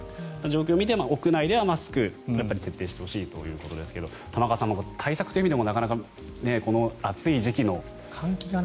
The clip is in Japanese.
状況を見て屋内ではマスク徹底してほしいということですが玉川さん、対策という意味でもなかなか暑い時期での。